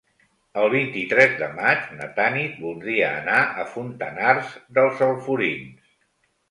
El vint-i-tres de maig na Tanit voldria anar a Fontanars dels Alforins.